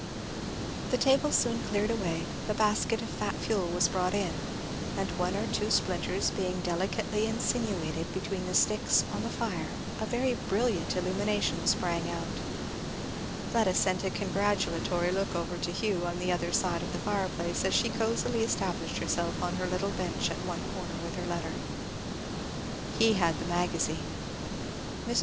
The table soon cleared away, the basket of fat fuel was brought in; and one or two splinters being delicately insinuated between the sticks on the fire a very brilliant illumination sprang out. Fleda sent a congratulatory look over to Hugh on the other side of the fireplace as she cosily established herself on her little bench at one corner with her letter; he had the Magazine. Mrs.